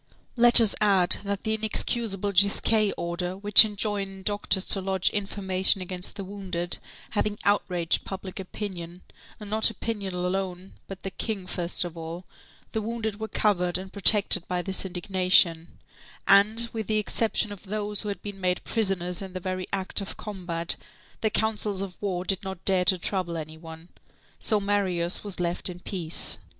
Let us add, that the inexcusable Gisquet order, which enjoined doctors to lodge information against the wounded, having outraged public opinion, and not opinion alone, but the King first of all, the wounded were covered and protected by this indignation; and, with the exception of those who had been made prisoners in the very act of combat, the councils of war did not dare to trouble any one. So Marius was left in peace.